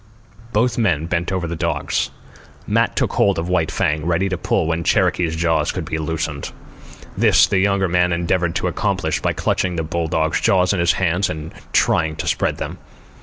Both men bent over the dogs. Matt took hold of White Fang, ready to pull when Cherokee's jaws should be loosened. This the younger man endeavoured to accomplish by clutching the bulldog's jaws in his hands and trying to spread them.